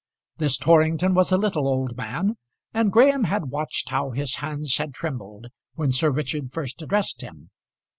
This Torrington was a little old man, and Graham had watched how his hands had trembled when Sir Richard first addressed him.